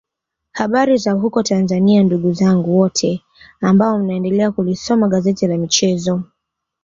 Habari za huko Tanzania ndugu zangu wote ambao mnaendelea kulisoma gazeti la michezo